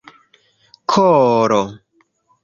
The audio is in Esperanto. koro